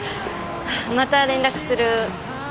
また連絡する。